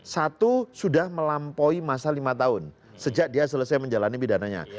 satu sudah melampaui masa lima tahun sejak dia selesai menjalani pidananya